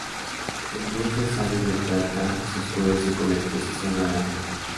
Como muchas sales de plata, se oscurece con la exposición a la luz.